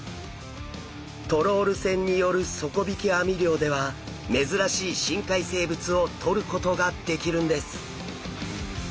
トロール船による底引き網漁では珍しい深海生物をとることができるんです！